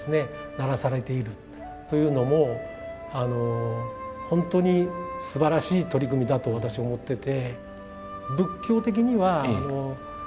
鳴らされているというのも本当にすばらしい取り組みだと私思ってて。